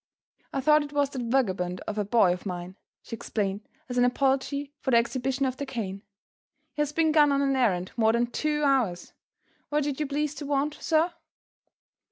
"I thought it was that vagabond of a boy of mine," she explained, as an apology for the exhibition of the cane. "He has been gone on an errand more than two hours. What did you please to want, sir?"